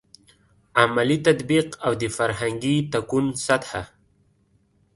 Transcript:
عملي تطبیق او د فرهنګي تکون سطحه.